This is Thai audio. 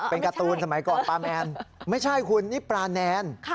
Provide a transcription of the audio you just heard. เป็นการ์ตูนสมัยก่อนปลาแมนไม่ใช่คุณนี่ปลาแนน